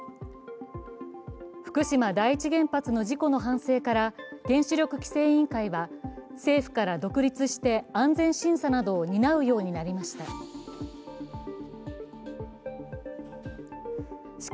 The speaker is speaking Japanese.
福島第一原発の事故の反省から原子力規制委員会は政府から独立して安全審査などを担うようになりました。